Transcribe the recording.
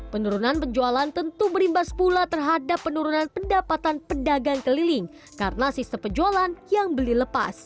penurunan penjualan tentu berimbas pula terhadap penurunan pendapatan pedagang keliling karena sistem penjualan yang beli lepas